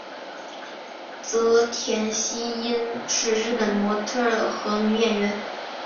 泽田汐音是日本模特儿和女演员。